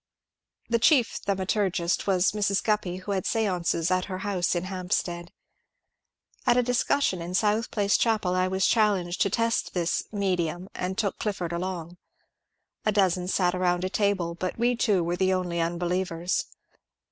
The chief thaumaturgist was Mrs. Guppy, who had stances at her house in Hampstead. At a discussion in South Place chapel I was challenged to test this ^ medium,"" and took Clifford along. A dozen sat around the table, but we two were the only unbelievers.